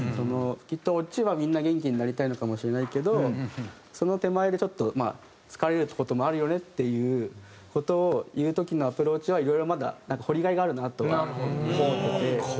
きっとオチはみんな元気になりたいのかもしれないけどその手前でちょっと疲れる事もあるよねっていう事を言う時のアプローチはいろいろまだ掘りがいがあるなとは思ってて。